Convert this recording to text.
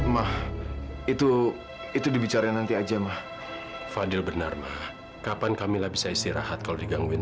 mah itu itu dibicara nanti aja mah fadil benar mah kapan kami lah bisa istirahat kalau digangguin